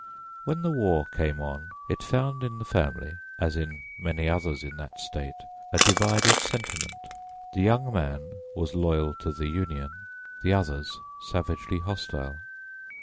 When the war came on it found in the family, as in so many others in that State, a divided sentiment; the young man was loyal to the Union, the others savagely hostile.